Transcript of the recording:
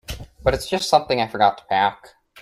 But it's just something I forgot to pack.